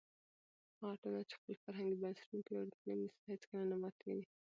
هغه ټولنه چې خپل فرهنګي بنسټونه پیاوړي کړي هیڅکله نه ماتېږي.